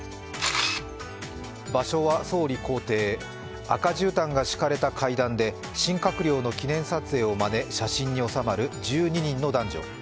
場所は総理公邸、赤じゅうたんが敷かれた階段で新閣僚の記念撮影をまね、写真に収まる１２人の男女。